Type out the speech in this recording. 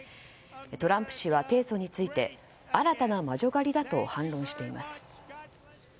トランプ氏は提訴について新たな魔女狩りだと反論しています。